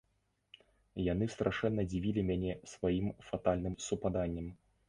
Яны страшэнна дзівілі мяне сваім фатальным супаданнем.